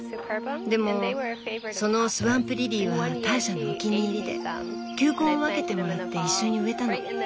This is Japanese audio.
でもそのスワンプリリーはターシャのお気に入りで球根を分けてもらって一緒に植えたの。